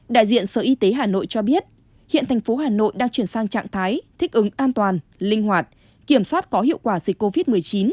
đại diện sở y tế hà nội cho biết hiện thành phố hà nội đang chuyển sang trạng thái thích ứng an toàn linh hoạt kiểm soát có hiệu quả dịch covid một mươi chín